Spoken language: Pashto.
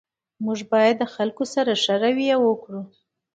موږ باید د خلګو سره ښه رویه وکړو